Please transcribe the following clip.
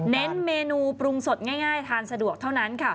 เน้นเมนูปรุงสดง่ายทานสะดวกเท่านั้น